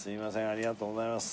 ありがとうございます。